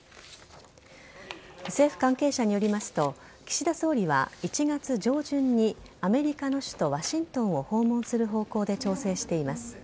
政府関係者によりますと岸田総理は１月上旬にアメリカの首都・ワシントンを訪問する方向で調整しています。